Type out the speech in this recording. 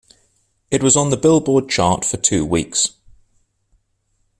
It was on the Billboard chart for two weeks.